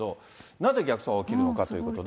なぜ逆走が起きるのかってことで。